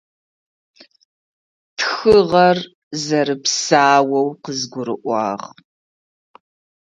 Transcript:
Тхыгъэр зэрэпсаоу къызгурыӏуагъ.